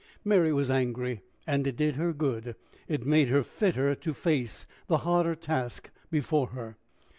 Mary was angry, and it did her good; it made her fitter to face the harder task before her.